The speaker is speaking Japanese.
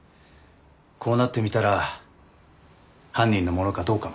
こうなってみたら犯人のものかどうかも。